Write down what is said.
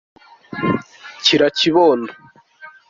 Kira kibondo.